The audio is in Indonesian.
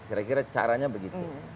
kira kira caranya begitu